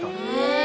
え！